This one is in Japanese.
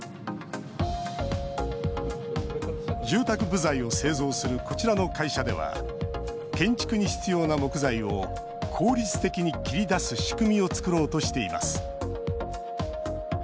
住宅部材を製造するこちらの会社では建築に必要な木材を効率的に切り出す仕組みを作ろうとしています。